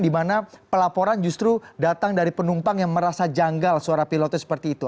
dimana pelaporan justru datang dari penumpang yang merasa janggal suara pilotnya seperti itu